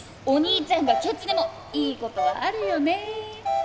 お兄ちゃんがけちでもいいことはあるよね。